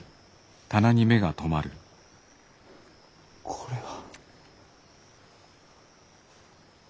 これは。